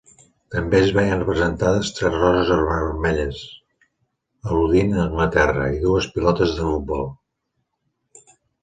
També es veien representades tres roses vermelles, al·ludint a Anglaterra, i dues pilotes de futbol.